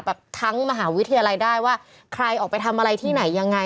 ทั้งมหาวิทยาลัยได้ว่าใครออกไปทำอะไรที่ไหนยังไง